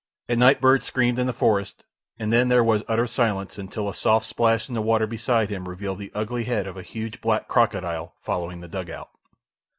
A night bird screamed in the forest, and then there was utter silence, until a soft splash in the water beside him revealed the ugly head of a huge black crocodile following the dug out.